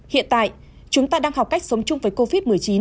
hiện tại chúng ta đang học cách sống chung với covid một mươi chín